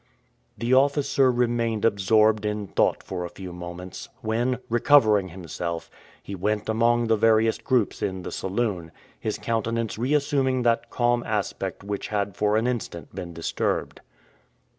The officer remained absorbed in thought for a few moments, when, recovering himself, he went among the various groups in the saloon, his countenance reassuming that calm aspect which had for an instant been disturbed.